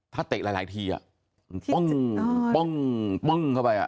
ถ้าเตะหลายทีป้องเข้าไป